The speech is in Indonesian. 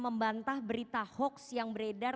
membantah berita hoax yang beredar